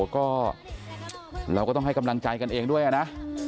ก็เราก็ต้องให้กำลังใจกันเองด้วยนะ